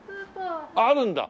あるんだ。